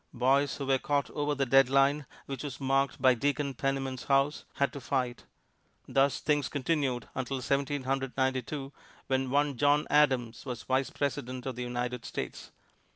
Boys who were caught over the dead line, which was marked by Deacon Penniman's house, had to fight. Thus things continued until Seventeen Hundred Ninety two, when one John Adams was Vice President of the United States.